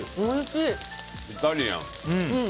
イタリアン。